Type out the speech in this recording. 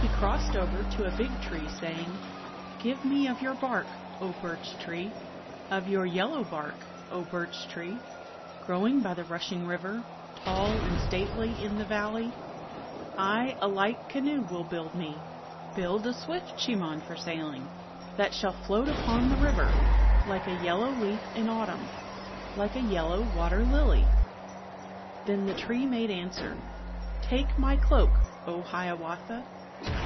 He crossed over to a big tree, saying. Give me of your bark, O birch tree 1 Of your yellow bark, O birch tree I Growing by the rushing river, Tall and stately in the valley ! I a light canoe will build me, Bnild a swift Chemaun for sailing. 49 That shall float upon the river, Like a yellow leaf in autumn, Like a yellow water lily! Then the tree made answer. Take my cloak, O Hiawatha!